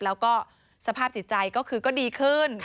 แล้วก็สภาพจิตใจก็คือก็ดีขึ้น